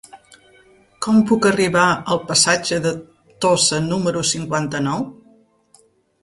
Com puc arribar al passatge de Tossa número cinquanta-nou?